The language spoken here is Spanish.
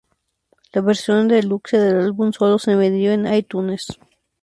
La versión deluxe del álbum sólo se vendió en iTunes.